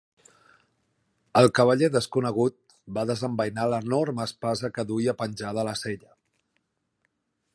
El cavaller desconegut va desembeinar l'enorme espasa que duia penjada a la sella.